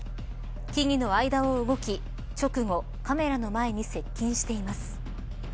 木々の間を動き直後カメラの前に接近しています。